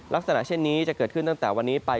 ลักษณะเช่นนี้จะเกิดขึ้นตั้งแต่วันนี้ไป